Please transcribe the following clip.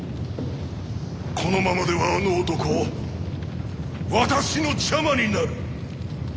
このままではあの男私の邪魔になる！